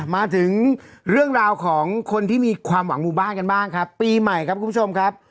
มาถึงเรื่องราวของคนที่มีความหวังหมู่บ้านกันบ้างครับปีใหม่ครับคุณผู้ชมครับ